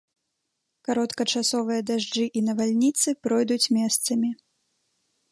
Кароткачасовыя дажджы і навальніцы пройдуць месцамі.